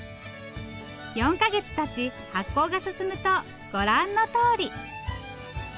４か月たち発酵が進むとご覧のとおり。